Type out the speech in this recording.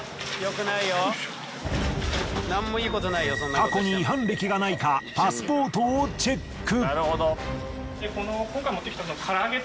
過去に違反歴がないかパスポートをチェック。